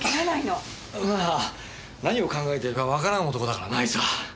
まあ何を考えてるかわからん男だからなあいつは。